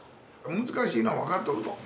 難しいのは分かっとると。